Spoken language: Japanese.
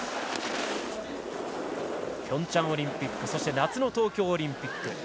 ピョンチャンオリンピックそして夏の東京オリンピック